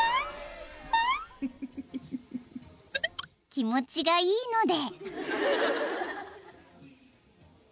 ［気持ちがいいので］